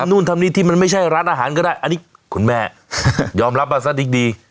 นู่นทำนี่ที่มันไม่ใช่ร้านอาหารก็ได้อันนี้คุณแม่ยอมรับมาซะดิ๊กดี